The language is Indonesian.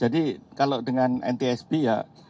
jadi kalau dengan ntsb ya